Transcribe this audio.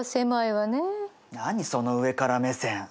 何その上から目線？